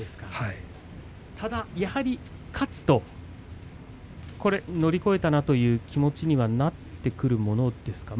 ただ勝つと乗り越えたなという気持ちにはなってくるものですか？